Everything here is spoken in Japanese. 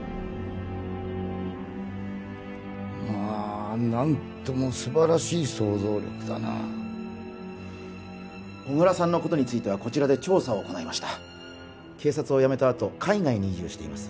まあ何とも素晴らしい想像力だな小倉さんのことについてはこちらで調査を行いました警察を辞めたあと海外に移住しています